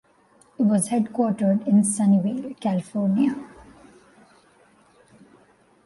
It was headquartered in Sunnyvale, California.